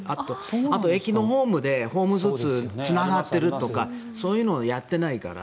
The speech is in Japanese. あと駅のホームつながっているとかそういうのをやってないから。